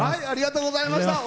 ありがとうございます。